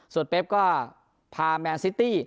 ส่วนเป๊บก็พาแมนซิตี้